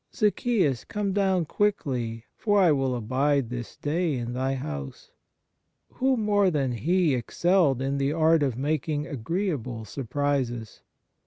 " Zacheus, come down quickly, for I will abide this day in thy house." Who more than He excelled in the art of making agreeable surprises